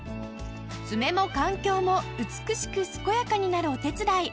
爪も環境も美しく健やかになるお手伝い